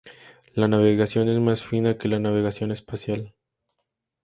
La navegación es más fina que la navegación espacial.